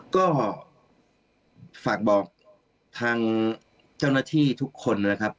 ก็ฝากบอกทางเจ้าหน้าที่ทุกคนนะครับ